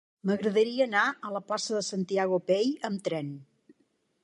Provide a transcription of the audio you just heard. M'agradaria anar a la plaça de Santiago Pey amb tren.